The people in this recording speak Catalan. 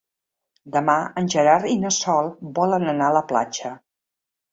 Demà en Gerard i na Sol volen anar a la platja.